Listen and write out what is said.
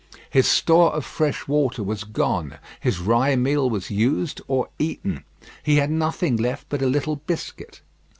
His store of fresh water was gone; his rye meal was used or eaten. He had nothing left but a little biscuit.